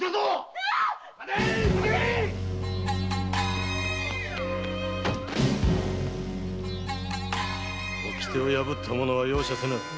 ・キャーッ‼掟を破った者は容赦せぬ。